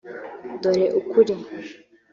Dore ukuri